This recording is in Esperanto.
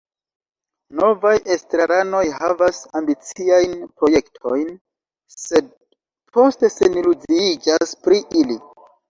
Novaj estraranoj havas ambiciajn projektojn, sed poste seniluziiĝas pri ili.